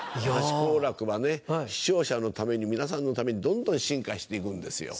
好楽は視聴者のために皆さんのためにどんどん進化して行くんですよ。